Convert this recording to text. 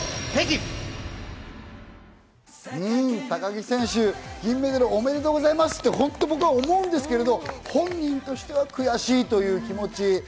高木選手、銀メダルおめでとうございますって僕は思うんですけど本人としては悔しいという気持ち。